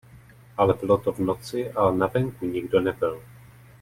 Ale bylo to v noci a na venku nikdo nebyl.